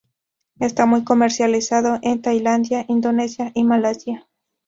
Está muy comercializado en Tailandia, Indonesia y Malasia.